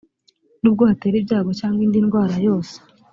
n’ubwo hatera ibyago cyangwa indi ndwara yose